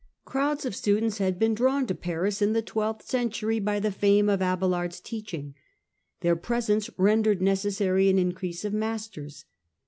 Crowds of students had been drawn to Paris in the twelfth century by the fame of Abelard's teaching : their presence rendered necessary an increase of masters.